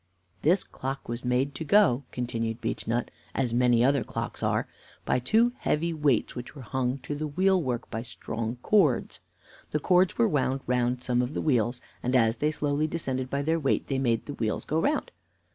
"This clock was made to go," continued Beechnut, "as many other clocks are, by two heavy weights, which were hung to the wheel work by strong cords. The cords were wound round some of the wheels, and as they slowly descended by their weight, they made the wheels go round.